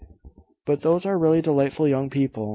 But those are really delightful young people.